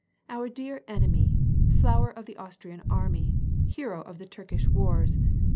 * Our dear enemy ! Flower of the Austrian army, hero of the Turkish wars